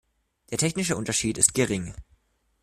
Der technische Unterschied ist gering.